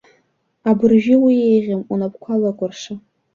Абыржәы уеиӷьым, унапқәа лыкәырша!